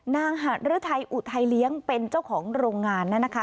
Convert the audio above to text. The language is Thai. นางหรือไทยอุทัยเลี้ยงเป็นเจ้าของโรงงานนั้นนะคะ